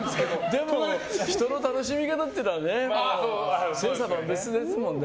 でも人の楽しみ方というのはね千差万別ですもんね。